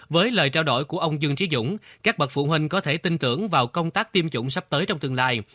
với lời trao đổi của ông dương trí dũng các bậc phụ huynh có thể tin tưởng vào công tác tiêm chủng sắp tới trong tương lai